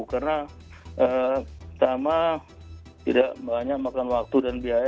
karena pertama tidak banyak makan waktu dan biaya